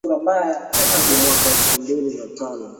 hadi mwaka elfu mbili na tano